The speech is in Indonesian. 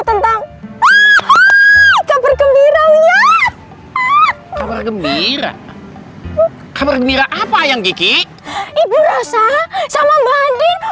tentang kabar gembira uya gembira gembira apa yang gigi ibu rossa sama mbak andin